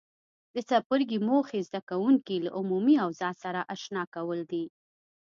د څپرکي موخې زده کوونکي له عمومي اوضاع سره آشنا کول دي.